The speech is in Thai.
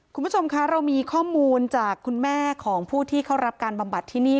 คุณผู้ชมคะเรามีข้อมูลจากคุณแม่ของผู้ที่เขารับการบำบัดที่นี่